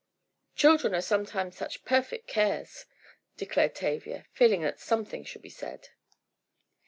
"Children are sometimes such perfect cares," declared Tavia, feeling that something should be said.